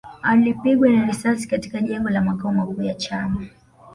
Alipigwa na risasi katika jengo la makao makuu ya chama